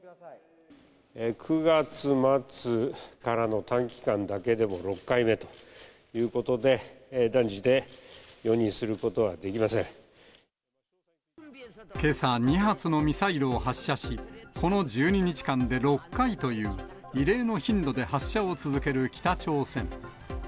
９月末からの短期間だけでも６回目ということで、けさ、２発のミサイルを発射し、この１２日間で６回という、異例の頻度で発射を続ける北朝鮮。